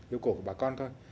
yêu cầu của bà con thôi